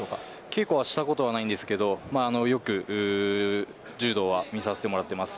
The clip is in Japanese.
稽古はしたことはないんですがよく柔道は見させてもらっています。